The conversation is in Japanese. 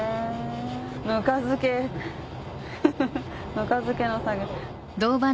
ぬか漬けぬか漬けの作業。